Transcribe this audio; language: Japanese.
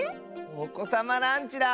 おこさまランチだ！